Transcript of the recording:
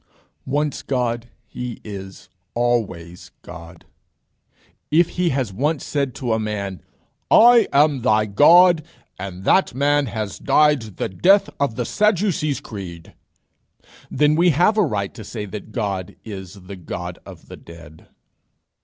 Once God he is always God. If he has once said to a man, "I am thy God, and that man has died the death of the Sadducee's creed," then we have a right to say that God is the God of the dead.